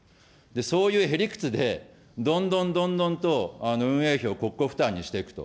そういうへ理屈でどんどんどんどんと、運営費を国庫負担にしていくと。